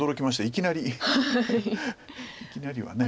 いきなりはね。